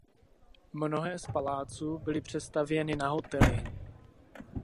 Mnohé z paláců byly přestavěny na hotely.